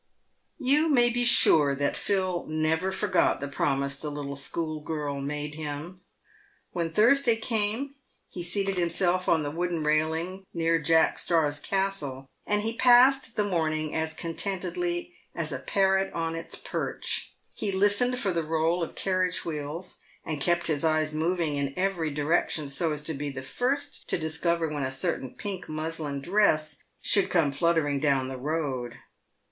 You may be sure that Phil never forgot the promise the little school girl made him. When Thursday came, he seated himself on the wooden railings near Jack Straw's Castle, and he passed the morning as contentedly as a parrot on its perch. He listened for the roll of carriage wheels, and kept his eyes moving in every direction so as to be the first to discover when a certain pink muslin dress should come fluttering down the road.